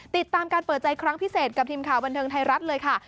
ติดตามการเปิดใจครั้งพิเศษกับทีมข่าวบันเทิงไทยรัฐเลยค่ะ